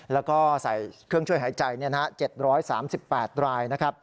แล้วก็ใส่เครื่องช่วยหายใจ๗๓๘รายนะครับ